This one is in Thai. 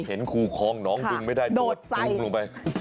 เห็นคูครองน้องถูงไม่ได้ตัวโดดใส่